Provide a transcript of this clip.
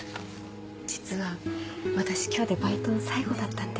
実は私今日でバイト最後だったんで。